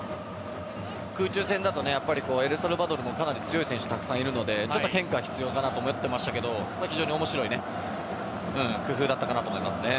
空中戦だとやっぱりエルサルバドルもかなり強い選手たくさんいるので変化が必要だなと思っていたけど非常に面白い工夫だったかなと思います。